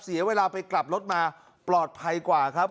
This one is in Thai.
เสียเวลาไปกลับรถมาปลอดภัยกว่าครับ